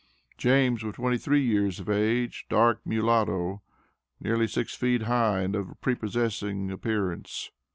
"James was twenty three years of age, dark mulatto, nearly six feet high, and of prepossessing appearance.